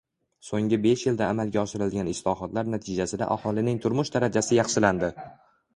So‘nggi besh yilda amalga oshirilgan islohotlar natijasida aholining turmush darajasi yaxshilandi.